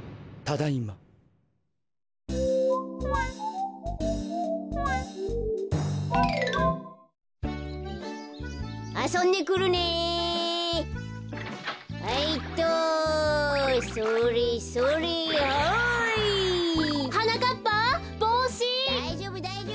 だいじょうぶだいじょうぶ！